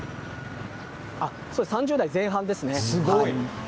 ３０代前半ですね。